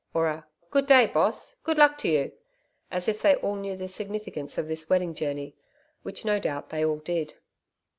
... or a 'Good day, Boss. Good luck to you,' as if they all knew the significance of this wedding journey which no doubt they all did.